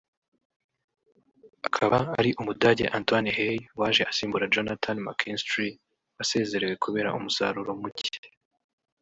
akaba ari Umudage Antoine Hey waje asimbura Johnattan McKinstry wasezerewe kubera umusaruro muke